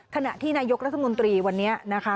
ขณะที่นายกรัฐมนตรีวันนี้นะคะ